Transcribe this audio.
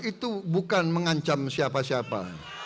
itu bukan mengancam siapa siapa